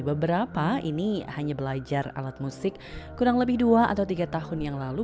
beberapa ini hanya belajar alat musik kurang lebih dua atau tiga tahun yang lalu